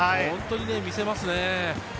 本当に見せますね。